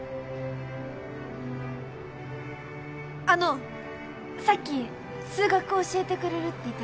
あのさっき数学教えてくれるって言ってたじゃん。